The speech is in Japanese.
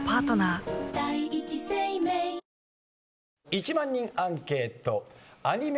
１万人アンケートアニメ